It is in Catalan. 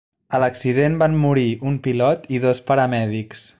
A l"accident van morir un pilot i dos paramèdics.